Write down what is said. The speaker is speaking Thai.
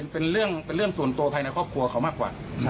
เป็นเรื่องส่วนตัวภายในครอบครัวเขามากกว่า